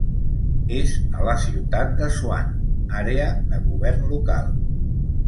És a la ciutat de Swan àrea de govern local.